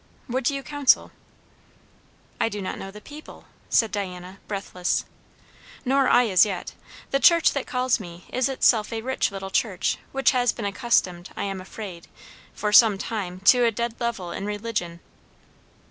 "What do you counsel?" "I do not know the people" said Diana, breathless. "Nor I, as yet. The church that calls me is itself a rich little church, which has been accustomed, I am afraid, for some time, to a dead level in religion."